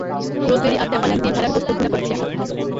Rosemary আর tapenade দিয়ে ভেড়ার গোস্ত ভূনা করেছি আমি।